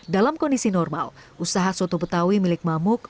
dalam kondisi normal usaha soto betawi milik mamuk